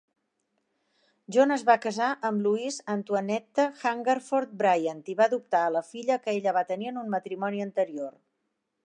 John es va casar amb Louise Antoinette Hungerford Bryant i va adoptar a la filla que ella va tenir en un matrimoni anterior.